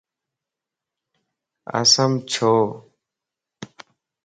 اسم ڇو؟